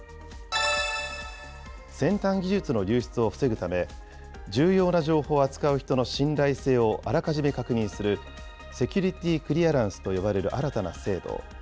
先端技術の流出を防ぐため、重要な情報を扱う人の信頼性をあらかじめ確認する、セキュリティークリアランスと呼ばれる新たな制度。